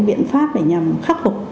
biện pháp để nhằm khắc phục